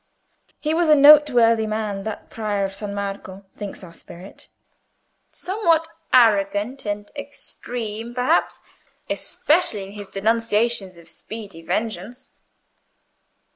"He was a noteworthy man, that Prior of San Marco," thinks our Spirit; "somewhat arrogant and extreme, perhaps, especially in his denunciations of speedy vengeance.